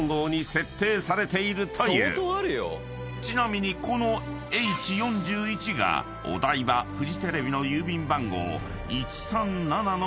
［ちなみにこのＨ−４１がお台場フジテレビの郵便番号１３７のボックス］